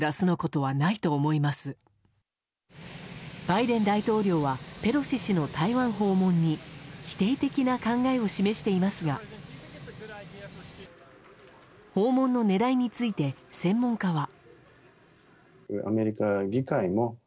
バイデン大統領はペロシ氏の台湾訪問に否定的な考えを示していますが訪問の狙いについて専門家は。